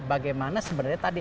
bagaimana sebenarnya tadi